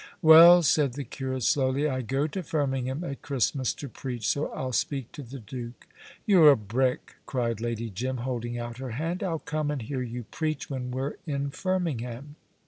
"Well," said the curate, slowly. "I go to Firmingham at Christmas to preach, so I'll speak to the Duke." "You're a brick," cried Lady Jim, holding out her hand. "I'll come and hear you preach when we're in Firmingham."